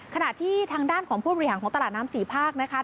ขณะที่ทางด้านของผู้บริหารของตลาดน้ำสี่ภาคนะคะ